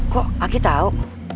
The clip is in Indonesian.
kok aku tau